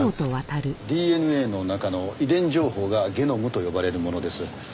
ＤＮＡの中の遺伝情報がゲノムと呼ばれるものです。